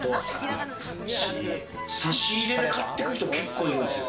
差し入れで買っていく人結構いるんですよ。